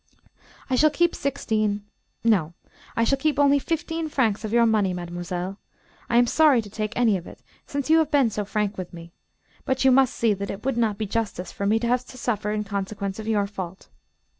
I shall keep sixteen, no, I shall keep only fifteen francs of your money, mademoiselle. I am sorry to take any of it, since you have been so frank with me; but you must see that it would not be justice for me to have to suffer in consequence of your fault.